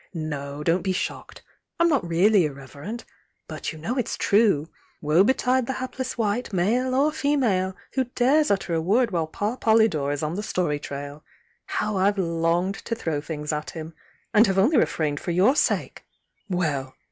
No, don't be shocked! I'm not really irreverent— but you know Its true. Woe betide the hapless wight, male or female, who dares utter a word while Pa Polydore 18 on the story trail! How I've longed to throw things at him! and have only refrained for your sake! Well!